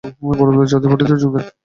পরবর্তীতে জাতীয় পার্টিতে যোগ দেন।